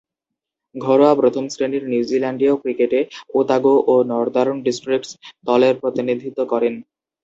ঘরোয়া প্রথম-শ্রেণীর নিউজিল্যান্ডীয় ক্রিকেটে ওতাগো ও নর্দার্ন ডিস্ট্রিক্টস দলের প্রতিনিধিত্ব করেন।